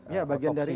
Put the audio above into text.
ya bagian dari itu